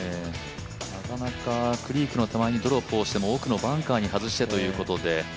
なかなかクリークの手前にドロップをしても奥のバンカーに外してということで。